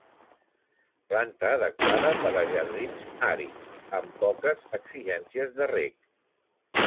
Planta adequada per a jardins àrids, amb poques exigències de reg.